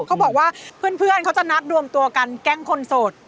เขาบอกว่าเพื่อนเขาจะนัดรวมตัวกันแกล้งคนโสด